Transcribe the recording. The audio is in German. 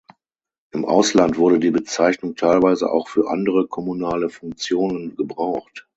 Im Ausland wurde die Bezeichnung teilweise auch für andere kommunale Funktionen gebraucht.